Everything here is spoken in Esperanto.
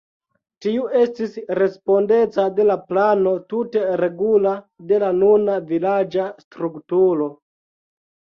Tiu estis respondeca de la plano tute regula de la nuna vilaĝa strukturo.